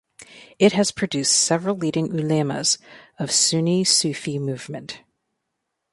It has produced several leading ulemas of Sunni Sufi movement.